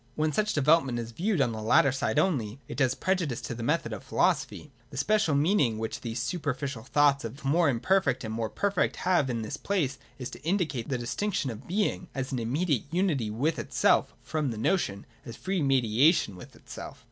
When such development is viewed on the latter side only, it does prejudice to the method of philosophy. The special meaning which these super ficial thoughts of more imperfect and more perfect have in this place is to indicate the distinction of being, as an immediate unity with itself, from the notion, as free mediation with itself.